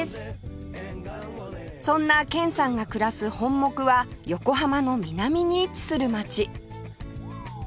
そんな剣さんが暮らす本牧は横浜の南に位置する街